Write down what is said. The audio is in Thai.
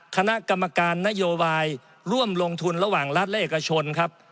คณะกรรมการนโยบายร่วมลงทุนระหว่างรัฐและเอกชนครับ